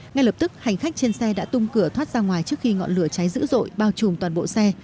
ngay lập tức hành khách trên xe đã tung cửa thoát ra ngoài trước khi ngọn lửa cháy dữ dội bao trùm toàn bộ xe